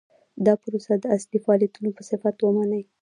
دا پروسه د اصلي فعالیتونو په صفت ومني.